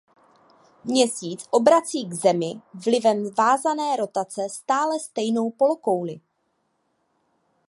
Měsíc obrací k Zemi vlivem vázané rotace stále stejnou polokouli.